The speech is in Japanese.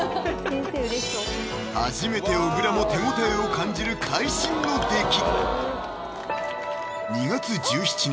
初めて小倉も手応えを感じる会心の出来！